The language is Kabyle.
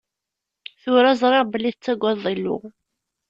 Tura, ẓriɣ belli tettagadeḍ Illu.